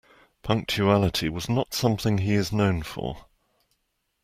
Punctuality was not something he is known for.